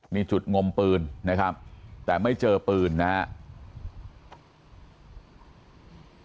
มีจุดงมปืนนะครับแต่ไม่เจอปืนนะครับ